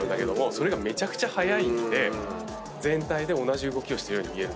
それがめちゃくちゃ速いんで全体で同じ動きをしているように見える。